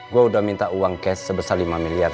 gue udah minta uang cash sebesar lima miliar